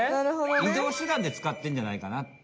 移動手段でつかってんじゃないかなって。